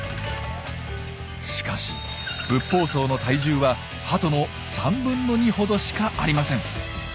しかしブッポウソウの体重はハトの３分の２ほどしかありません。